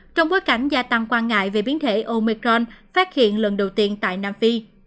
trong bối cảnh gia tăng quan ngại về biến thể omecron phát hiện lần đầu tiên tại nam phi